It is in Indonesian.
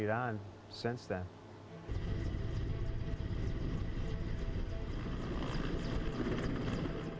saya menghargai mereka